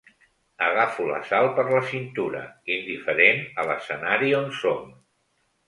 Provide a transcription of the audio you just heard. Agafo la Sal per la cintura, indiferent a l'escenari on som.